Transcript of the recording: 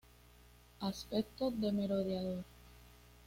Aspecto de Merodeador.